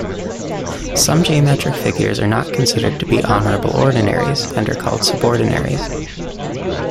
Some geometric figures are not considered to be "honourable ordinaries" and are called "subordinaries".